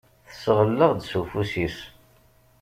Tesɣel-aɣ-d s ufus-is.